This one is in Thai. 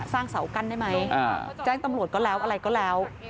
เสากั้นได้ไหมแจ้งตำรวจก็แล้วอะไรก็แล้ว